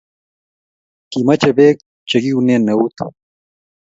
Kimache peek che kiunen out